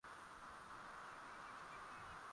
ireland inakubwa na hali ngumu ya kiuchumi